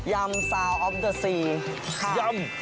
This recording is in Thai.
ยำซาวน์ออฟเดอซีค่ะ